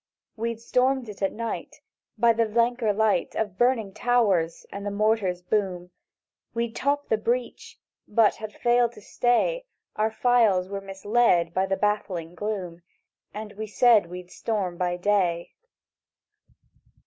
"We'd stormed it at night, by the vlanker light Of burning towers, and the mortar's boom: We'd topped the breach; but had failed to stay, For our files were misled by the baffling gloom; And we said we'd storm by day.